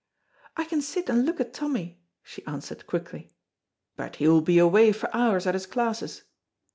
"I can sit and look at Tommy," she answered, quickly. "But he will be away for hours at his classes."